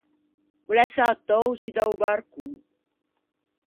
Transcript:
O l’é sätou zu da-o barcon.